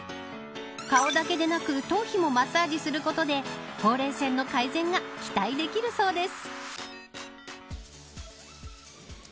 顔だけでなく頭皮もマッサージすることでほうれい線の改善が期待できるそうです。